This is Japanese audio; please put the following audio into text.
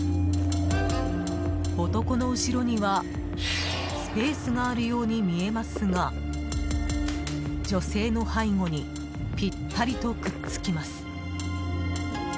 男の後ろにはスペースがあるように見えますが女性の背後にぴったりとくっつきます。